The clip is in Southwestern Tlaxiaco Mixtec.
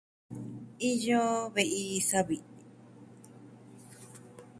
Iyo ve'i savi.